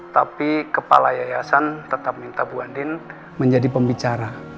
tapi kepala yayasan tetap minta bu andin menjadi pembicara